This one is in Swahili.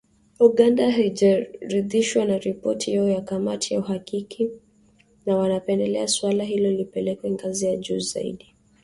Uganda haijaridhishwa na ripoti hiyo ya kamati ya uhakiki na wanapendelea suala hilo lipelekwe ngazi ya juu zaidi.